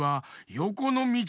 よこのみち？